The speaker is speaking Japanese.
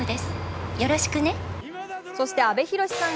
そして阿部寛さん